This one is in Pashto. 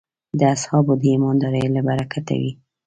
د اصحابو د ایماندارۍ له برکته وې.